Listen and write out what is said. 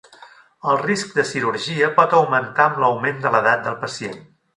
El risc de cirurgia pot augmentar amb l'augment de l'edat del pacient.